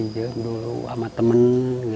kadang kadang pinjam dulu sama temen gitu